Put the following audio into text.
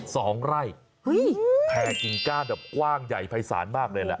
สองไร้เสากิ้งก้าดกว้างใหญ่พัยศาลมากเลย